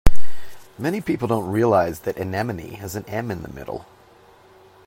Many people don’t realise that “anemone” has an m in the middle.